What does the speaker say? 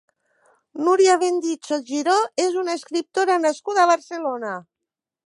Núria Bendicho Giró és una escriptora nascuda a Barcelona.